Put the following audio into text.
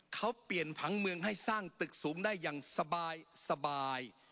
เขาเปลี่ยนผังเมืองให้สร้างตึกสูงได้อย่างสบาย